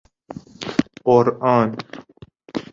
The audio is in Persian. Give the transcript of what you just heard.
قرآن